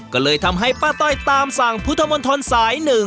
ก็เลยทำให้ป้าต้อยตามสั่งพุทธมนตรสาย๑